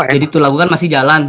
jadi tuh lagu kan masih jalan